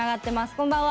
こんばんは。